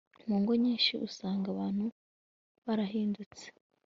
Mu ngo nyinshi usanga abantu barahindutse